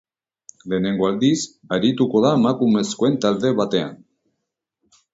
Lehenengo aldiz arituko da emakumezkoen talde batean.